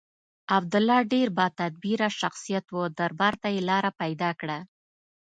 عبدالله ډېر با تدبیره شخصیت و دربار ته یې لاره پیدا کړه.